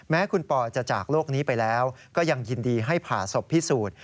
แม้คุณปอจะจากโลกนี้ไปแล้วก็ยังยินดีให้ผ่าศพพิสูจน์